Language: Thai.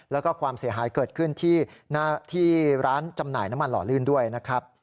แล้วก็ความเสียหายเกิดขึ้นที่ร้านจำหน่ายน้ำมันหล่อลื่นด้วยนะครับ